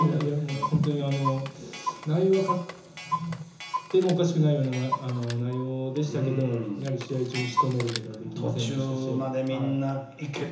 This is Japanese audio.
本当に内容は勝ってもおかしくないような内容でしたけどやはり試合中にしとめることはできませんでした。